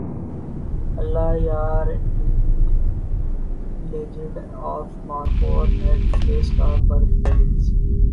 اللہ یار and the legend of Markhor Netflix پر release